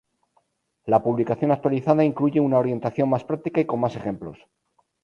La publicación actualizada incluye una orientación más práctica y con más ejemplos.